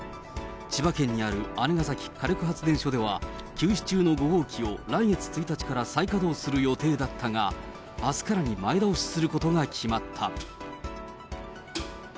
千葉県にある姉崎火力発電所では、休止中の５号機を来月１日から再稼働する予定だったが、あすから前倒しすることが決まった。